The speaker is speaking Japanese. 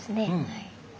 はい。